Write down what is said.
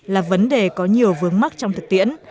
là vấn đề có nhiều vướng mắt trong thực tiễn